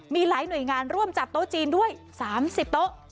มีหลายหน่วยงานร่วมจัดโต๊ะจีนด้วย๓๐โต๊ะ